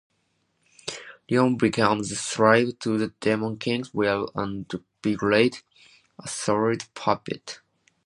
Lyon became the slave to the Demon King's will, and Vigarde a soulless puppet.